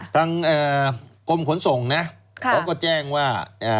ต่างอรุณกลมขนส่งนะเขาก็แจ้งว่า